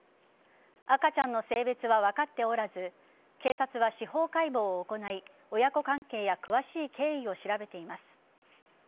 赤ちゃんの性別は分かっておらず警察は司法解剖を行い親子関係や詳しい経緯を調べています。